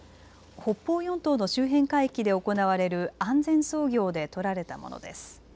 北方四島の周辺海域で行われる安全操業で取られたものです。